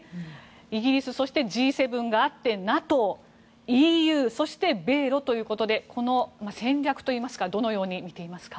イギリス、そしてＧ７があってＮＡＴＯＥＵ、そして米ロということでこの戦略といいますかどのように見ていますか？